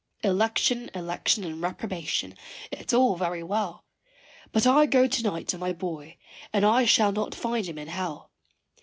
Election, Election and Reprobation it's all very well. But I go to night to my boy, and I shall not find him in Hell.